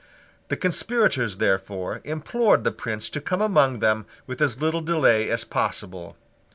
The conspirators, therefore, implored the Prince to come among them with as little delay as possible.